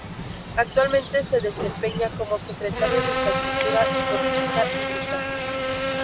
Actualmente se desempeña como secretario de Infraestructura y Política Hídrica.